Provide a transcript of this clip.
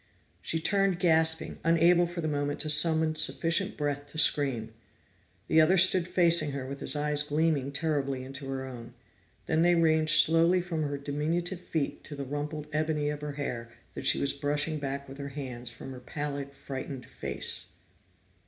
She turned gasping, unable for the moment to summon sufficient breath to scream. The other stood facing her with his eyes gleaming terribly into her own; then they ranged slowly from her diminutive feet to the rumpled ebony of her hair that she was brushing back with her hands from her pallid, frightened face.